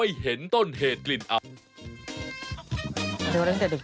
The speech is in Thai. อ้าวเดี๋ยวกลับมา